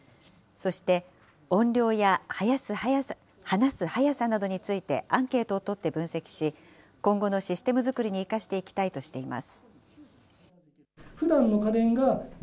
そして音量や話す速さなどについて、アンケートを取って分析し、今後のシステム作りに生かしていきたいとしています。